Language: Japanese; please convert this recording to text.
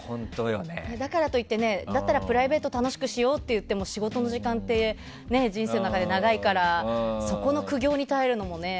だからといってだったらプライベートを楽しくしようといっても仕事の時間って人生の中で長いからそこの苦行に耐えるのもね。